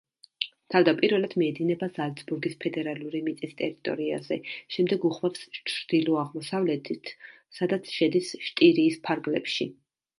თავდაპირველად მიედინება ზალცბურგის ფედერალური მიწის ტერიტორიაზე, შემდეგ უხვევს ჩრდილო-აღმოსავლეთით, სადაც შედის შტირიის ფარგლებში.